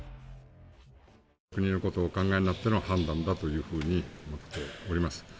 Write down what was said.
国のことをお考えになっての判断だというふうに思っております。